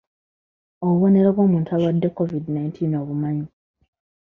Obubonero bw'omuntu alwadde COVID nineteen obumanyi?